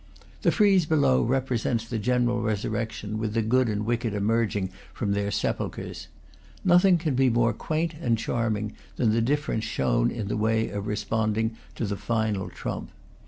The frieze below represents the general re surrection, with the good and the wicked emerging from their sepulchres. Nothing can be more quaint and charming than the difference shown in their way of responding to the final trump.